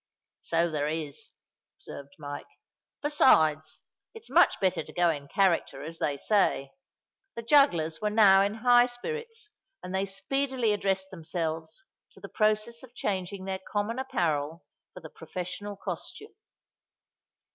"So there is," observed Mike. "Besides, it's much better to go in character, as they say." The jugglers were now in high spirits; and they speedily addressed themselves to the process of changing their common apparel for the professional costume.